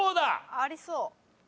ありそう。